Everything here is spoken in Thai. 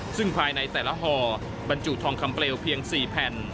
ซึ่งภายในแต่ละห่อบรรจุทองคำเปลวเพียง๔แผ่น